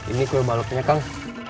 ini kue baloknya kang